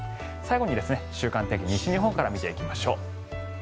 最後に週間の天気、西日本から見ていきましょう。